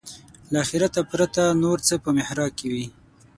له آخرته پرته نور څه په محراق کې وي.